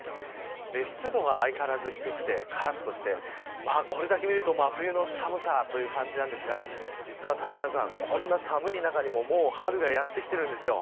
湿度は相変わらず低くてからっとしていてこれだけ見ると真冬の寒さという感じですが実は、こんな寒い中にも春がやってきているんです。